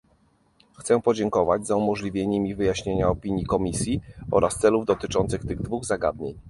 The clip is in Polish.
Chcę podziękować za umożliwienie mi wyjaśnienia opinii Komisji oraz celów dotyczących tych dwóch zagadnień